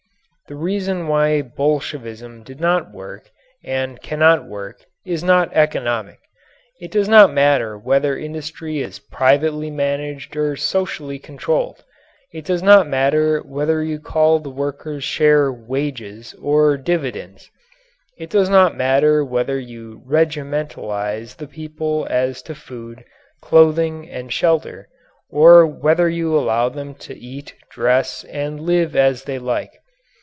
The reason why Bolshevism did not work, and cannot work, is not economic. It does not matter whether industry is privately managed or socially controlled; it does not matter whether you call the workers' share "wages" or "dividends"; it does not matter whether you regimentalize the people as to food, clothing, and shelter, or whether you allow them to eat, dress, and live as they like.